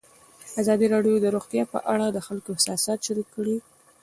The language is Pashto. ازادي راډیو د روغتیا په اړه د خلکو احساسات شریک کړي.